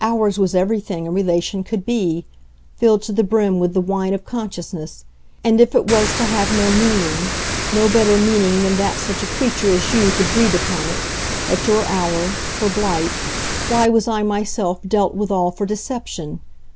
Ours was everything a relation could be, filled to the brim with the wine of consciousness; and if it was to have no meaning, no better meaning than that such a creature as you could breathe upon it, at your hour, for blight, why was I myself dealt with all for deception?